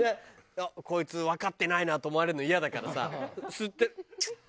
こいつわかってないなと思われるのイヤだからさ吸って「チュッ」。